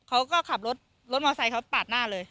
เขาก็ขับรถรถมอไซค์เขาปาดหน้าเลย